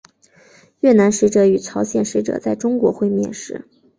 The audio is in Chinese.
越南使者与朝鲜使者在中国会面时。